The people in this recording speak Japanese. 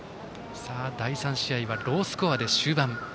第３試合はロースコアで終盤。